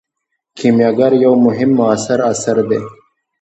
کیمیاګر یو مهم معاصر اثر دی.